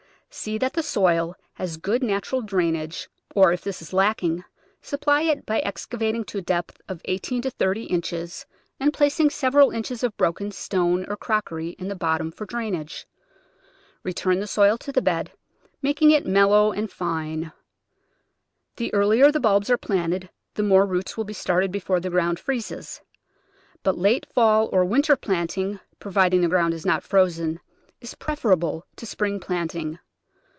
See that the soil has good natural drainage, or, if this is lacking, supply it by excavating to a depth of eighteen to thirty inches, and placing several inches of broken stone or crockery in the bot Digitized by Google 1 88 The Flower Garden [Chapter torn for drainage. Return the soil to the bed, making it mellow and fine. The earlier the bulbs are planted the more roots will be started before the ground freezes, but late fall or winter planting, providing the ground is not frozen, is preferable to spring plant ing.